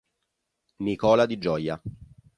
Nicola Di Gioia